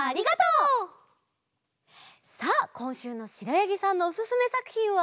さあこんしゅうのしろやぎさんのおすすめさくひんは。